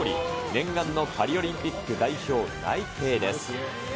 念願のパリオリンピック代表内定です。